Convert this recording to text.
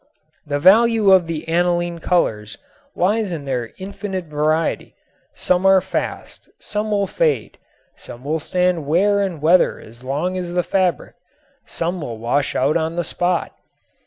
The value of the aniline colors lies in their infinite variety. Some are fast, some will fade, some will stand wear and weather as long as the fabric, some will wash out on the spot.